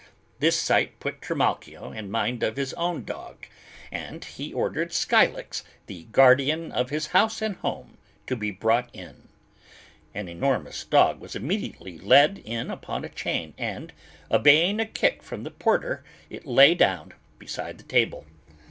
This sight put Trimalchio in mind of his own dog and he ordered Scylax, "the guardian of his house and home," to be brought in. An enormous dog was immediately led in upon a chain and, obeying a kick from the porter, it lay down beside the table.